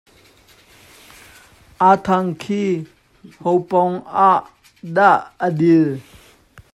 AaThang khi ho pawng ah dah a dir?